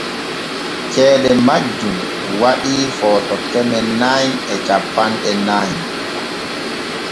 Ceede majjun waɗii Footo keme nay e cappanɗe nay.